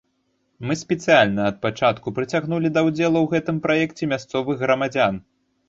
Мы спецыяльна ад пачатку прыцягнулі да ўдзелу ў гэтым праекце мясцовых грамадзян.